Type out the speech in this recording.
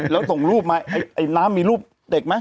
แล้วส่งรูปมาไอ้น้ำมีรูปเด็กไหม